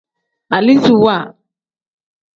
Aliziwa.